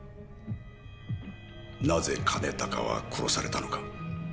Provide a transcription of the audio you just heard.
なぜ兼高は殺されたのか？